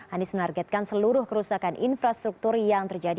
anies menargetkan seluruh kerusakan infrastruktur yang terjadi